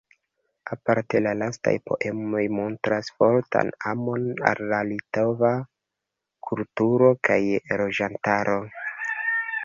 Aparte la lastaj poemoj montras fortan amon al la litova kulturo kaj loĝantaro.